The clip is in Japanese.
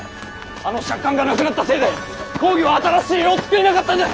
あの借款がなくなったせいで公儀は新しい世を作れなかったんだ。